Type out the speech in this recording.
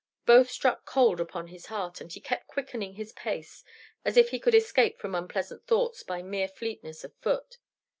Both struck cold upon his heart, and he kept quickening his pace as if he could escape from unpleasant thoughts by mere fleetness of foot.